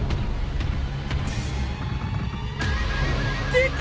出た！